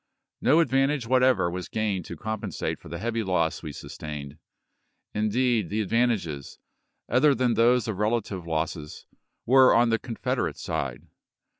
.. No advantage whatever was gained to compensate for the heavy loss we sustained. Indeed, the advantages, other than those of relative losses, were on the Confederate side.